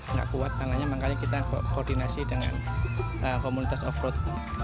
nggak kuat makanya kita koordinasi dengan komunitas off road